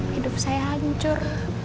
hidup saya hancur